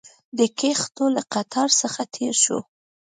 د کښتیو له قطار څخه تېر شوو.